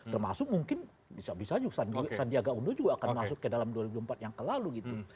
termasuk mungkin bisa bisa juga sandiaga uno juga akan masuk ke dalam dua ribu empat yang kelalu gitu